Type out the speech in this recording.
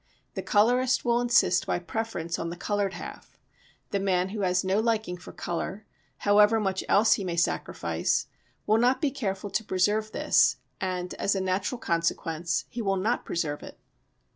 The colourist will insist by preference on the coloured half, the man who has no liking for colour, however much else he may sacrifice, will not be careful to preserve this and, as a natural consequence, he will not preserve it.